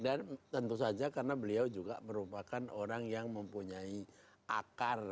dan tentu saja karena beliau juga merupakan orang yang mempunyai akar